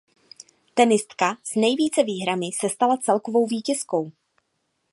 Tenistka s nejvíce výhrami se stala celkovou vítězkou.